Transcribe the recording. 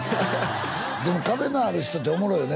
でも壁のある人っておもろいよね